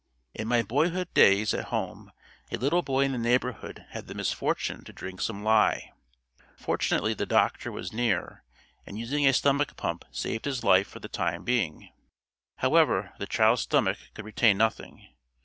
In my boyhood days at home, a little boy in the neighborhood had the misfortune to drink some lye. Fortunately the doctor was near and using a stomach pump saved his life for the time being. However, the child's stomach could retain nothing.